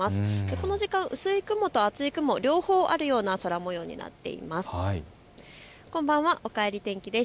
この時間、薄い雲と厚い雲、両方あるような空もようになっています。